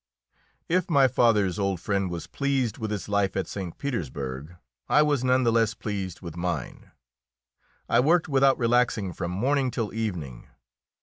If my father's old friend was pleased with his life at St. Petersburg, I was none the less pleased with mine. I worked without relaxing from morning till evening.